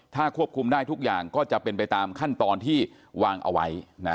ถ้าควบคุมได้ทุกอย่างก็จะเป็นไปตามขั้นตอนที่วางเอาไว้